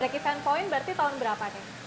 black event point berarti tahun berapa nih